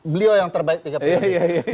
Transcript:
beliau yang terbaik tiga periode